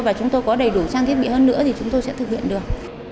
và chúng tôi có đầy đủ trang thiết bị hơn nữa thì chúng tôi sẽ thực hiện được